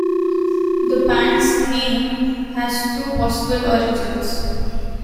The band's name has two possible origins.